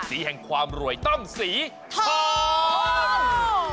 แห่งความรวยตั้มสีทอง